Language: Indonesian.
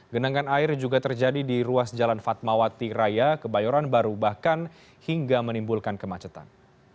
genangan air juga terjadi di ruas jalan fatmawati raya kebayoran baru bahkan hingga menimbulkan kemacetan